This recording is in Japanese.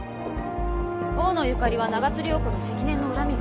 大野ゆかりは長津涼子に積年の恨みがあった。